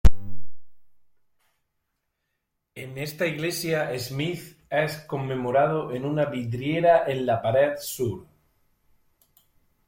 En esta iglesia, Smith es conmemorado en una vidriera en la pared sur.